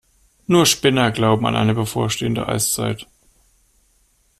Nur Spinner glauben an eine bevorstehende Eiszeit.